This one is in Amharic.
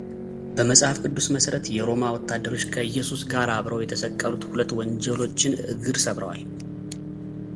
በመጽሐፍ ቅዱስ መሠረት የሮማ ወታደሮች ከኢየሱስ ጋር አብረው የተሰቀሉት ሁለት ወንጀሎችን እግር ሰብረዋል።